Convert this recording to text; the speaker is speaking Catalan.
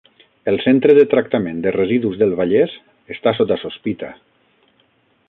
El Centre de tractament de residus del Vallès està sota sospita